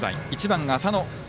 １番浅野。